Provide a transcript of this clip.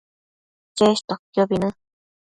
cheshtoquiobi në